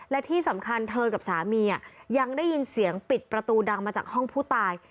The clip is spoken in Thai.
และที่สำคัญเธอกับสามียังได้ยินเสียงปิดประตูดังมาจากห้องผู้ตาย